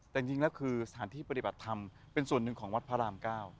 แต่จริงแล้วคือสถานที่ปฏิบัติธรรมเป็นส่วนหนึ่งของวัดพระราม๙